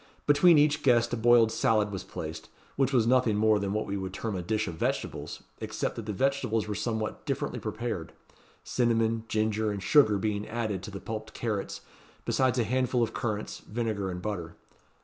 Between each guest a boiled salad was placed, which was nothing more than what we should term a dish of vegetables, except that the vegetables were somewhat differently prepared; cinnamon, ginger, and sugar being added to the pulped carrots, besides a handful of currants, vinegar, and butter.